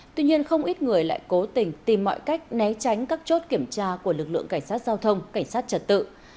tuy nhiên không ít người lại cố tình tìm mọi cách né tránh các chốt kiểm tra của lực lượng cảnh sát giao thông cảnh sát trật tự